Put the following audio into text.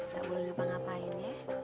gak boleh ngapa ngapain ya